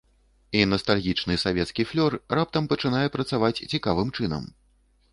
І настальгічны савецкі флёр раптам пачынае працаваць цікавым чынам.